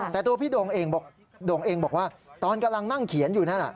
แต่ตัวพี่ด่งเองบอกว่าตอนกำลังนั่งเขียนอยู่นั่น